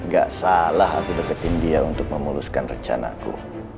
gak salah aku deketin dia untuk memuluskan rencanaku